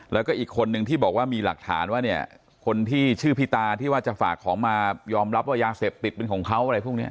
แล้วก็อีกคนนึงที่บอกว่ามีหลักฐานว่าเนี่ยคนที่ชื่อพี่ตาที่ว่าจะฝากของมายอมรับว่ายาเสพติดเป็นของเขาอะไรพวกนี้